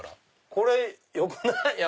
これよくない？